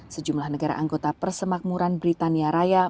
sejumlah negara anggota persemakmuran britania raya